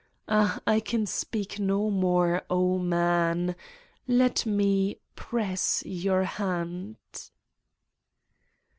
. ah, I can speak no more, oh, man ! Let me press your hand?